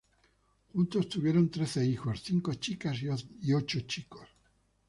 Juntos tuvieron trece hijos, cinco chicas y ocho chicos.